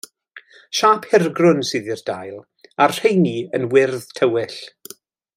Siâp hirgrwn sydd i'r dail, a'r rheiny yn wyrdd tywyll.